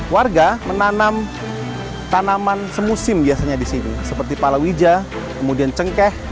warga menanam tanaman semusim biasanya di sini seperti palawija kemudian cengkeh